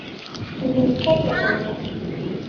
D nekk ay irewlen.